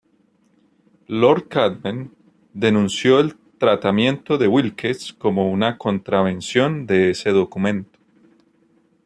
Lord Camden denunció el tratamiento de Wilkes como una contravención de ese documento.